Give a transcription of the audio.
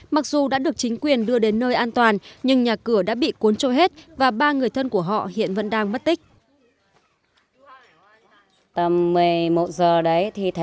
mặc dù đã được chính quyền đưa đến nơi an toàn nhưng nhà cửa đã bị cuốn trôi hết và ba người thân của họ hiện vẫn đang mất tích